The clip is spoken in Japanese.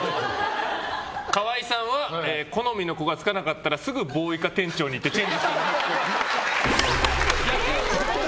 川合さんは好みの子がつかなかったらすぐボーイか店長に言ってチェンジしてもらうっぽい。